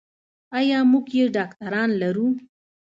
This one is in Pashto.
ایا موږ یې ډاکتران لرو.